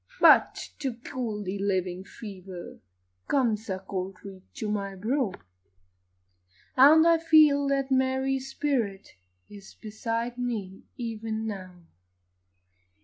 But to cool the living fever, Comes a cold breath to my brow, And I feel that Mary's spirit Is beside me, even now.